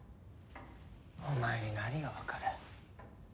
お前に何がわかる。